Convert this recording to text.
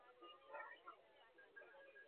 রোগীকে না হয় বাঁচালাম, তারপর তিনদিন টেকাব কী দিয়ে?